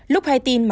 lúc hai tin má